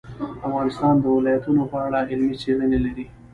افغانستان د ولایتونو په اړه علمي څېړنې لري.